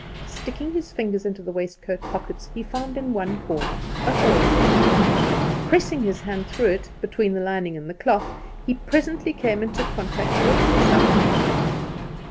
Sticking his fingers into the waistcoat pockets, he found in one corner a hole. Pressing his hand through it, between the lining and the cloth, he presently came into contact with something.